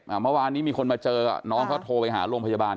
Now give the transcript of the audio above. เมื่อวานนี้มีคนมาเจออ่ะน้องเขาโทรไปหาโรงพยาบาล